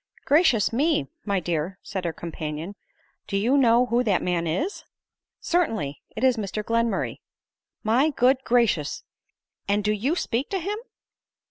" Gracious me ! my dear," said her companion, " do you know who that man is ?"" Certainly ; it is Mr GlenmulTay. ,," My good gracious ! and do you speak to him